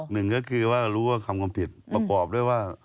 หนึ่งก็คือว่ารู้ว่าทำความผิดประกอบด้วยว่า